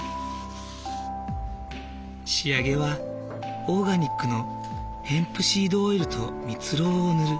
仕上げはオーガニックのヘンプシードオイルと蜜ろうを塗る。